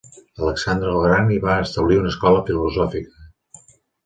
Alexandre el Gran hi va establir una escola filosòfica.